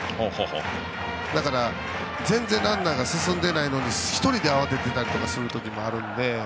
だから、全然ランナーが進んでいないのに１人で慌てていたりする時もあるので。